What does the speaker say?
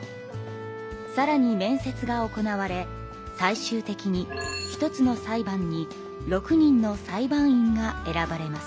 さらに面接が行われ最終的に１つの裁判に６人の裁判員が選ばれます。